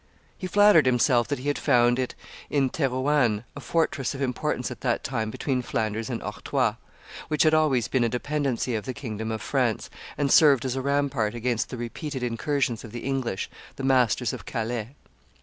He flattered himself that he had found it in Therouanne, a fortress of importance at that time between Flanders and Artois, which had always been a dependency of the kingdom of France, and served as a rampart against the repeated incursions of the English, the masters of Calais.